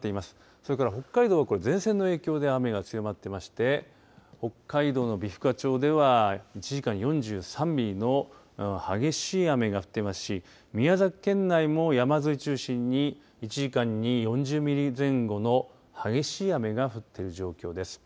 これから北海道、前線の影響で雨が強まっていまして北海道の美深町では１時間に４３ミリの非常に激しい雨が降っていますし宮崎県内も山沿いを中心に１時間に４０ミリ前後の激しい雨が降っている状況です。